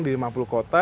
di lima puluh kota